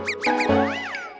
gigi permisi dulu ya mas